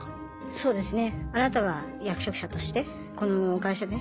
そうですね。